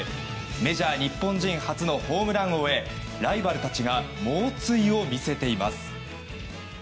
メジャー日本人初のホームラン王へライバルたちが猛追を見せています。